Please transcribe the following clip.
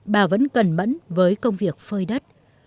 bà vẫn cẩn mẫn với công việc phơi đất